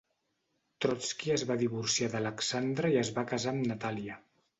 Trotski es va divorciar d'Alexandra i es va casar amb Natàlia.